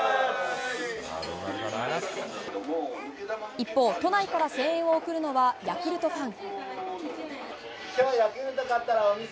一方、都内から声援を送るのはヤクルトファン。